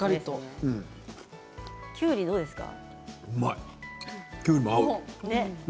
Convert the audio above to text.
きゅうり、どうですか？